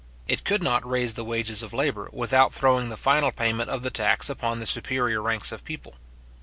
It could not raise the wages of labour, without throwing the final payment of the tax upon the superior ranks of people.